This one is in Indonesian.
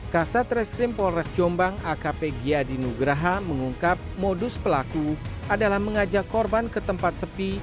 kasat reskrim polres jombang akp giyadinugraha mengungkap modus pelaku adalah mengajak korban ke tempat sepi